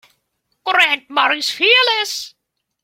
Grandma is fearless.